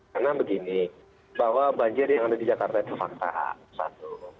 karena begini bahwa banjir yang ada di jakarta itu fakta satu